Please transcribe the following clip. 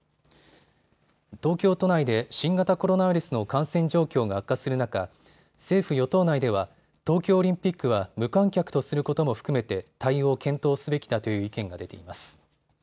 東京都内で新型コロナウイルスの感染状況が悪化する中、政府与党内では東京オリンピックは無観客とすることも含めて対応を検討すべきだという意見が出ています。